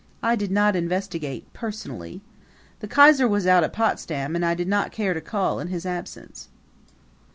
I did not investigate personally. The Kaiser was out at Potsdam and I did not care to call in his absence.